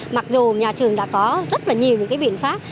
mặc dù nhà trường đã có rất nhiều biện pháp